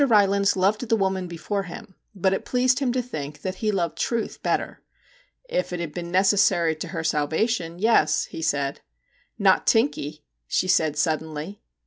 Rylands loved the woman before him, but it pleased him to think that he loved truth better. ' If it had been necessary to her salva tion, yes/ he said. ' Not Tinkie ?' she said suddenly.